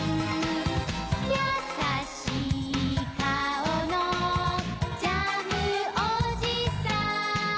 やさしいかおのジャムおじさん